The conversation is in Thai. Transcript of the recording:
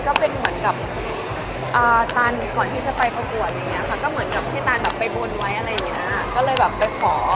ก็เป็นเหมือนกับตันก่อนที่จะไปประกวดอย่างเงี้ค่ะก็เหมือนกับที่ตันแบบไปบนไว้อะไรอย่างเงี้ยก็เลยแบบไปขอ